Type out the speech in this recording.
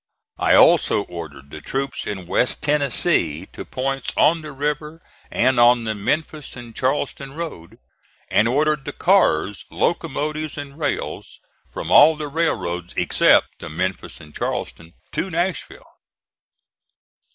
I also ordered the troops in West Tennessee to points on the river and on the Memphis and Charleston road, and ordered the cars, locomotives and rails from all the railroads except the Memphis and Charleston to Nashville.